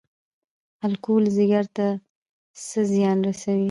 الکول ځیګر ته څه زیان رسوي؟